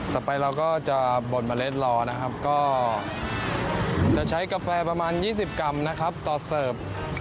ต่อไปเราก็จะบ่นเมล็ดรอนะครับก็จะใช้กาแฟประมาณ๒๐กรัมนะครับต่อเสิร์ฟ